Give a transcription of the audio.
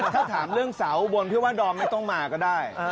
ถ้าถามเรื่องเสาอุบลพี่ว่าดอมไม่ต้องมาก็ได้